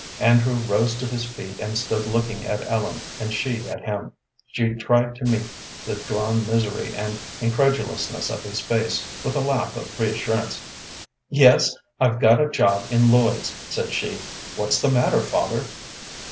Andrew rose to his feet and stood looking at Ellen, and she at him. She tried to meet the drawn misery and incredulousness of his face with a laugh of reassurance. "Yes, I've got a job in Lloyd's," said she. "What's the matter, father?"